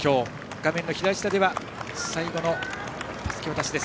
画面左下では最後のたすき渡し。